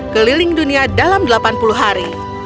keliling dunia dalam delapan puluh hari